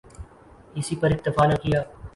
اسی پہ اکتفا نہ کیا۔